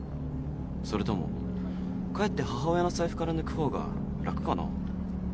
それとも帰って母親の財布から抜く方が楽かな？